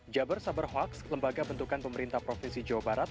jabar sabar hoaks lembaga bentukan pemerintah provinsi jawa barat